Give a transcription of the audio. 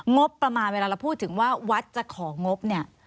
งบประมาณเวลาพูดว่าวัดจะของงบ